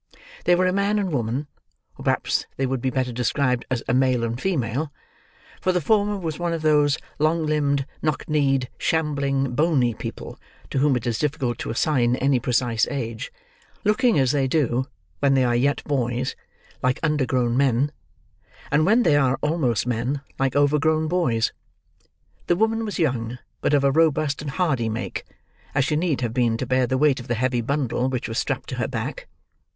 They were a man and woman; or perhaps they would be better described as a male and female: for the former was one of those long limbed, knock kneed, shambling, bony people, to whom it is difficult to assign any precise age,—looking as they do, when they are yet boys, like undergrown men, and when they are almost men, like overgrown boys. The woman was young, but of a robust and hardy make, as she need have been to bear the weight of the heavy bundle which was strapped to her back.